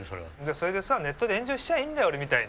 それでさネットで炎上しちゃーいいんだよ俺みたいに！